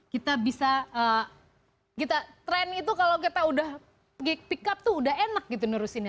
kita bisa trend itu kalau kita udah pick up tuh udah enak gitu menurusinnya